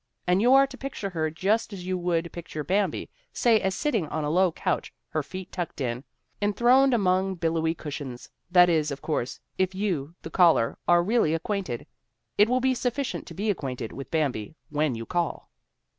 And you are to picture her just as you would picture Bambi, say as sitting on a low couch, her feet tucked in, enthroned among billowy cushions, that is, of course, if you, the caller, are really acquainted. It will be sufficient to be acquainted with Bambi when you call.